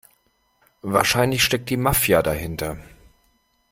Wahrscheinlich steckt die Mafia dahinter.